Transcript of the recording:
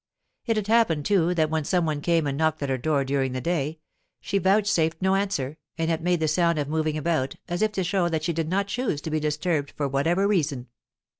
It had happened, too, that when some one came and knocked at her door during the day, she vouchsafed no answer, and yet made the sound of moving about, as if to show that she did not choose to be disturbed, for whatever reason.